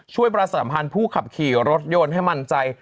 ๔ช่วยประสาทธรรมภัณฑ์ผู้ขับขี่รถยนต์ให้มั่นใจ